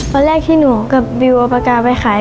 วันแรกที่หนูกับบิวเอาปากกาไปขาย